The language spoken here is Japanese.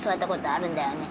あるんだよね？